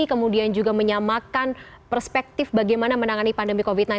kemudian juga menyamakan perspektif bagaimana menangani pandemi covid sembilan belas